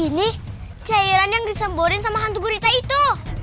ini cairan yang disemburin sama hantu gurita itu